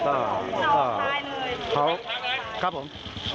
ก็เขาครับผม